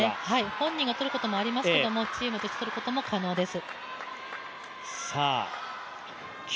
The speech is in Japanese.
本人がとることもありますけれども、チームとしてとることも可能です。